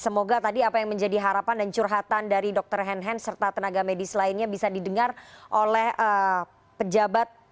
semoga tadi apa yang menjadi harapan dan curhatan dari dokter henhen serta tenaga medis lainnya bisa didengar oleh pejabat